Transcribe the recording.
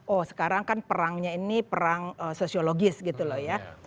oh sekarang kan perangnya ini perang sosiologis gitu loh ya